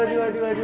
aduh aduh aduh